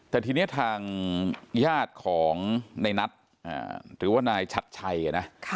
แต่ทีนี้ทางญาติของในนัทหรือว่านายชัดชัยนะ